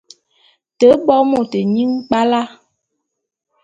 Te bo môt nyi nkpwala.